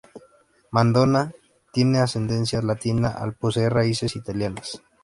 Madonna tiene ascendencia latina al poseer raíces italianas.